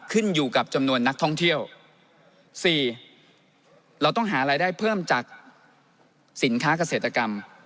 ขึ้นอยู่กับจำนวนนักท่องเที่ยวสี่เราต้องหารายได้เพิ่มจากสินค้าเกษตรกรรม